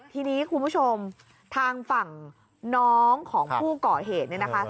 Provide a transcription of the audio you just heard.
ทีนี้คุณผู้ชมทางฝั่งน้องของผู้ก่อเหตุเนี่ยนะคะ